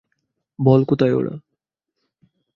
বল কোথায় ওরা?